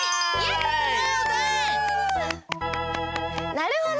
なるほど！